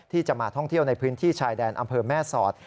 ที่จะมาท่องเที่ยวในพื้นที่ชายแดนอำเภอแม่สอด